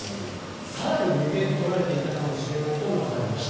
更に２点取られていたかもしれないとも話していました。